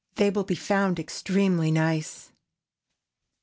They will be found extremely nice.